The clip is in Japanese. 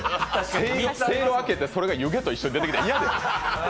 せいろ開けて、それが湯気と一緒に出てきたら嫌です。